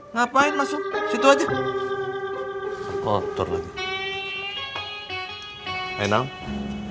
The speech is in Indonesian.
ngapain masuk situ aja kotor lagi